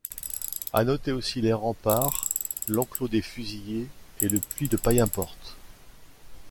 À noter aussi les remparts, l'enclos des fusillés et le puits de Païenporte.